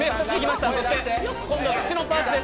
今度は口のパーツです。